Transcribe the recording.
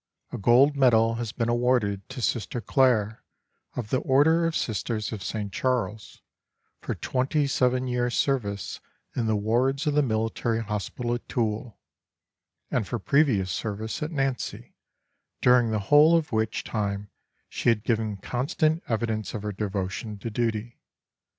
A gold medal has been awarded to Sister Clare, of the Order of Sisters of St. Charles, for twenty seven years' service in the wards of the military hospital at Toul, and for previous service at Nancy, during the whole of which time she had given constant evidence of her devotion to duty.